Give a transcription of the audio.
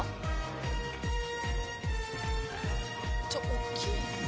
大きい？